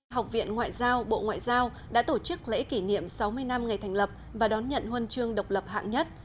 học viện ngoại giao bộ ngoại giao đã tổ chức lễ kỷ niệm sáu mươi năm ngày thành lập và đón nhận huân chương độc lập hạng nhất